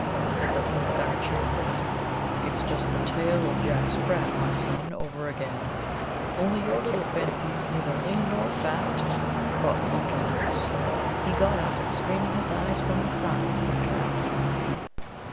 said the Oomgar cheerfully. "It's just the tale of Jack Sprat, my son, over again; only your little fancy's neether lean nor fat, but monkey nuts!" He got up, and, screening his eyes from the sun, looked around him.